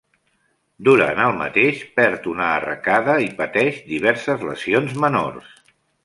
Durant el mateix, perd una arracada i pateix diverses lesions menors.